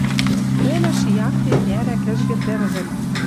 Пӹлӹш якте кӓрӓ кӹжгӹ тӹрвӹм